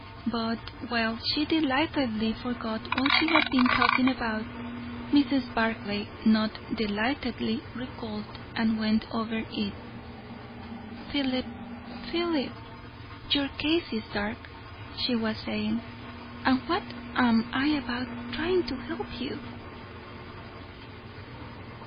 But while she delightedly forgot all she had been talking about, Mrs. Barclay, not delightedly, recalled and went over it. Philip, Philip! your case is dark! she was saying. And what am I about, trying to help you!